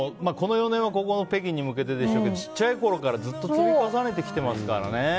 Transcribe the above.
この４年はこの北京に向けてでしょうけどちっちゃいころからずっと積み重ねてきてますからね。